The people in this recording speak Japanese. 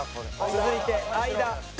続いて相田。